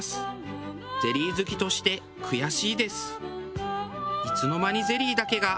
ゼリー好きとして悔しいです。